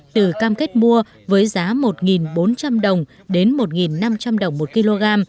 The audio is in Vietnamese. từ cam kết mua với giá một bốn trăm linh đồng đến một năm trăm linh đồng một kg